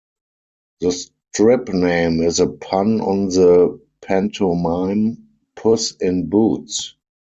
The strip name is a pun on the pantomime "Puss in Boots".